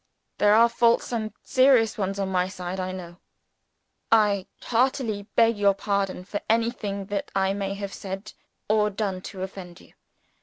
There are faults, and serious ones, on my side, I know. I heartily beg your pardon for anything that I may have said or done to offend you.